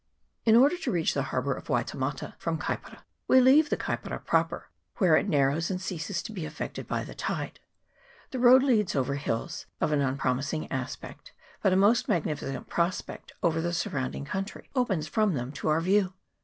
In order to reach the harbour of Waitemata from Kaipara, we leave the Kaipara proper where it nar rows and ceases to be affected by the tide. The road leads over hills of an unpromising aspect, but a most magnificent prospect over the surrounding country opens from them to our view.